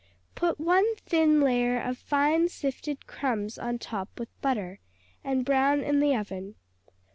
Put one thin layer of fine, sifted crumbs on top with butter, and brown in the oven.